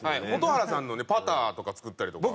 蛍原さんのねパターとか作ったりとか。